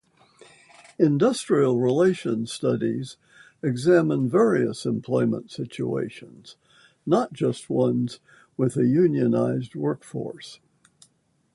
Industrial relations studies examine various employment situations, not just ones with a unionized workforce.